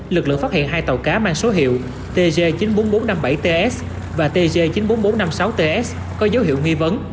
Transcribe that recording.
lực lượng phát hiện hai tàu cá mang số hiệu tg chín mươi bốn nghìn bốn trăm năm mươi bảy ts và tg chín mươi bốn nghìn bốn trăm năm mươi sáu ts có dấu hiệu nghi vấn